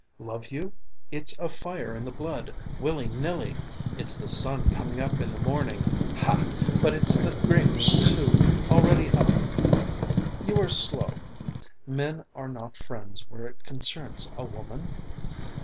Love you? It's a fire in the blood, willy nilly! It's the sun coming up in the morning. Ha, but it's the grey moon too, already up in the morning. You are slow. Men are not friends where it concerns a woman?